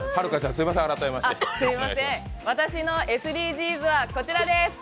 私のＳＤＧｓはこちらです。